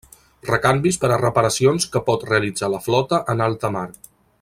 Recanvis per a reparacions que pot realitzar la flota en alta mar.